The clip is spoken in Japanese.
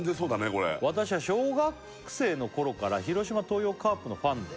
これ「私は小学生のころから広島東洋カープのファンで」